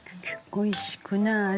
おいしくなーれ。